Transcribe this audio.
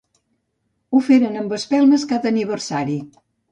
Ho feren amb les espelmes cada aniversari.